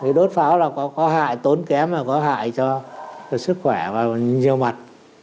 thì đốt pháo là có hại tốn kém và có hại cho sức khỏe và nhiều mặt